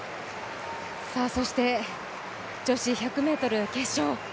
そして女子１００ｍ決勝。